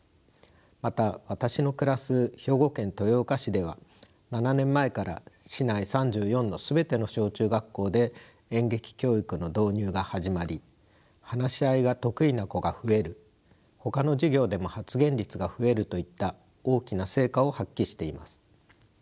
また私の暮らす兵庫県豊岡市では７年前から市内３４の全ての小中学校で演劇教育の導入が始まり話し合いが得意な子が増えるほかの授業でも発言率が増えるといった大きな成果を発揮しています。